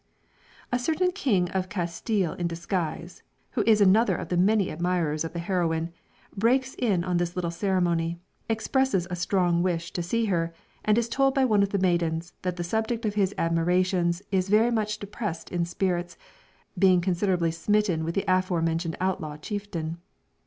A certain king of Castile in disguise, who is another of the many admirers of the heroine, breaks in on this little ceremony, expresses a strong wish to see her, and is told by one of the maidens, that the subject of his admirations is very much depressed in spirits, being considerably smitten with the afore mentioned outlaw chieftain.